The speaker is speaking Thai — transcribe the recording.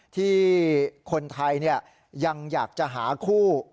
ที่คนไทยยังอยากจะหาคู่